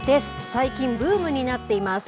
最近、ブームになっています。